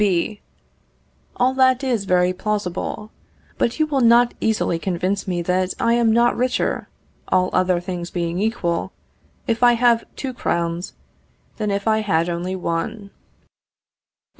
B. All that is very plausible. But you will not easily convince me that I am not richer (all other things being equal) if I have two crowns, than if I had only one.